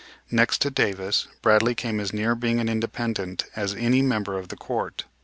Next to Davis, Bradley came as near being an Independent as any member of the Court.